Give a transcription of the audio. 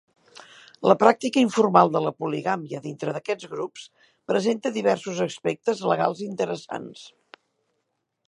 La pràctica informal de la poligàmia dintre d'aquests grups presenta diversos aspectes legals interessants.